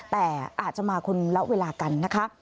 แต่อาจจะมาคนละเวลากันนะคะ